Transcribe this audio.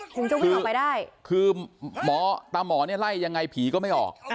ถึงจะวิ่งออกไปได้คือหมอตามหมอเนี่ยไล่ยังไงผีก็ไม่ออก